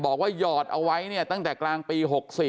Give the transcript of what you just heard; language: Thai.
หยอดเอาไว้เนี่ยตั้งแต่กลางปี๖๔